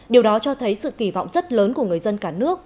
điều đó cho thấy sự kỳ vọng rất lớn của người dân cả nước